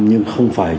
nhưng không phải